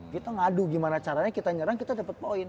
kita ngadu gimana caranya kita nyerang kita dapet poin